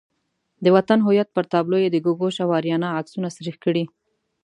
د وطن هویت پر تابلو یې د ګوګوش او آریانا عکسونه سریښ کړي.